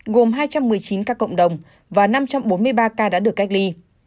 gồm hai trăm một mươi chín ca cộng đồng và năm trăm bốn mươi ba ca đã được cách ly